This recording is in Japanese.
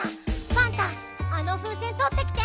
パンタあのふうせんとってきて！